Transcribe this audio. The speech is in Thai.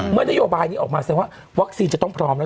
นโยบายนี้ออกมาแสดงว่าวัคซีนจะต้องพร้อมแล้ว